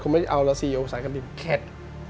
เข็ด